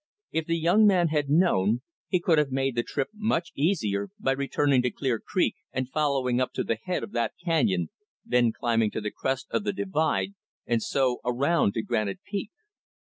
If the young man had known, he could have made the trip much easier by returning to Clear Creek and following up to the head of that canyon, then climbing to the crest of the divide, and so around to Granite Peak.